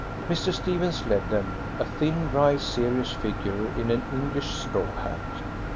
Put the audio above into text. Mr. Stephens led them, a thin, dry, serious figure, in an English straw hat.